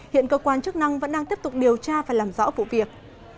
hiện cơ quan chức năng vẫn đang tiếp tục điều tra và làm rõ vụ việc